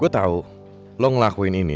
gue tau lo ngelakuin ini